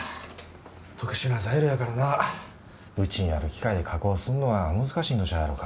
特殊な材料やからなうちにある機械で加工すんのは難しいんとちゃうやろか。